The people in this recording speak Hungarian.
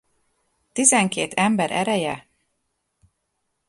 Tizenkét ember ereje?